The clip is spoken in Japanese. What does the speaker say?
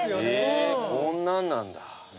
えこんなんなんだ。